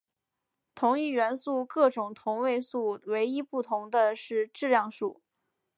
同一元素各种同位素唯一不同的是质量数。